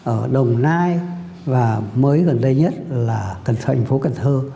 ở đồng nai và mới gần đây nhất là tân thành phố cần thơ